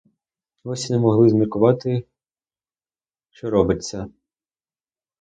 Гості не могли зміркувати, що робиться.